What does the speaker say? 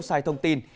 sai thông tin